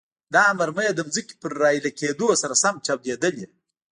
دا مرمۍ د ځمکې پر راایلې کېدو سره سم چاودیدلې.